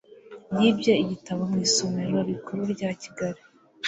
Yibye igitabo mu isomer rikuru rya Kigali.